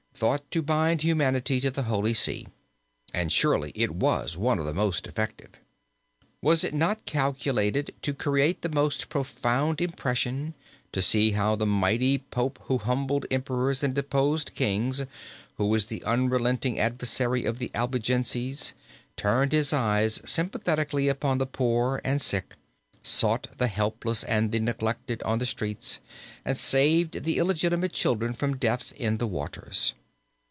thought to bind humanity to the Holy See. And surely it was one of the most effective. Was it not calculated to create the most profound impression, to see how the mighty Pope who humbled emperors and deposed kings, who was the unrelenting adversary of the Albigenses, turned his eyes sympathetically upon the poor and sick, sought the helpless and the neglected on the streets, and saved the illegitimate children from death in the waters.